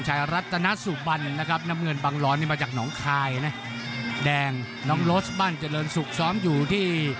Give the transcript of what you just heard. จันรนสุกซ้อมอยู่ที่